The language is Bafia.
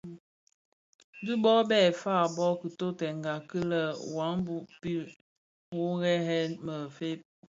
Dhi bō be fa bo kidhotèna kil è wambue pi: wō ghèè më fe?